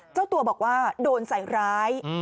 เจ้าตัวบอกว่าโดนใส่ร้าย